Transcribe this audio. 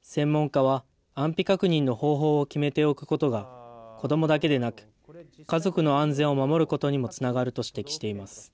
専門家は、安否確認の方法を決めておくことが子どもだけでなく、家族の安全を守ることにもつながると指摘しています。